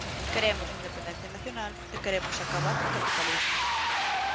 Queremos a independencia nacional e queremos acabar co capitalismo.